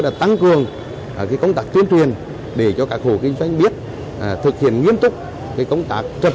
đã tăng cường công tác tuyên truyền để cho các hồ kinh doanh biết thực hiện nghiêm túc công tác trật